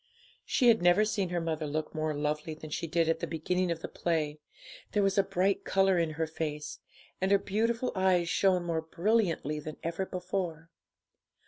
She had never seen her mother look more lovely than she did at the beginning of the play; there was a bright colour in her face, and her beautiful eyes shone more brilliantly than ever before.